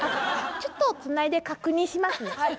ちょっとつないで確認しますね。